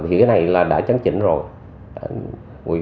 thì cái này là đã chấn chỉnh rồi